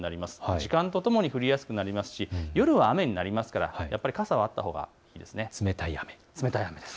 時間とともに降りやすくなりますし夜は雨になりますから傘はあったほうがいいです。